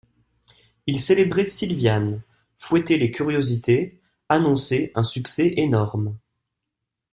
Il célébrait Silviane, fouettait les curiosités, annonçait un succès énorme.